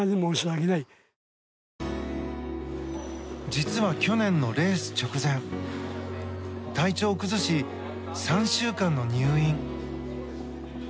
実は去年のレース直前体調を崩し、３週間の入院。